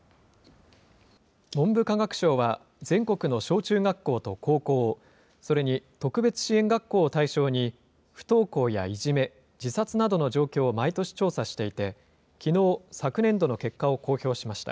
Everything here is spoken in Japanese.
文部科学省は、全国の小中学校と高校、それに特別支援学校を対象に、不登校やいじめ、自殺などの状況を毎年調査していて、きのう、昨年度の結果を公表しました。